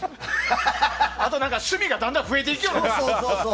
あと、趣味がだんだん増えていきよるんですよ。